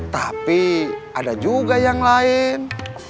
tapi ada juga yang lain